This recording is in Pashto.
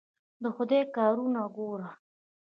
د خدای کارونه ګوره!